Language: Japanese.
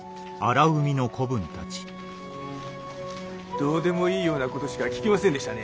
どうでもいいようなことしか聞きませんでしたね。